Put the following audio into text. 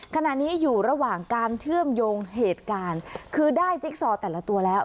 ขณะนี้อยู่ระหว่างการเชื่อมโยงเหตุการณ์คือได้จิ๊กซอแต่ละตัวแล้ว